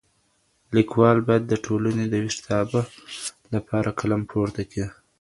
ليکوال بايد د ټولني د ويښتابه لپاره قلم پورته کړي.